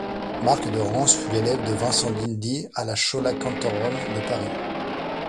Marc de Ranse fut l'élève de Vincent d’Indy à la Schola Cantorum de Paris.